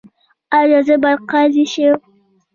ایا زه باید قاضي شم؟